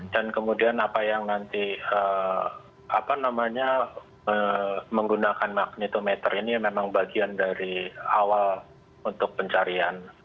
dan kemudian apa yang nanti apa namanya menggunakan magnetometer ini memang bagian dari awal untuk pencarian